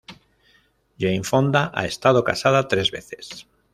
Jane Fonda ha estado casada tres veces.